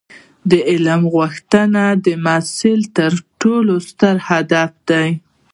د علم غوښتنه د محصل تر ټولو ستر هدف دی.